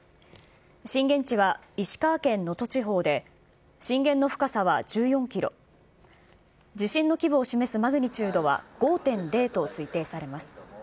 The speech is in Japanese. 震源地は石川県能登地方で、震源の深さは１４キロ、地震の規模を示すマグニチュードは５．０と推定されます。